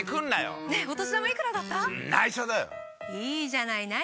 いいじゃない。